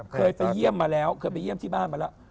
เคยไปเยี่ยมมาแล้วเคยไปเยี่ยมที่บ้านมาแล้ว